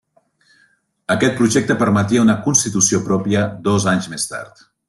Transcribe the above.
Aquest projecte permetia una constitució pròpia dos anys més tard.